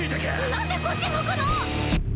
なんでこっち向くの！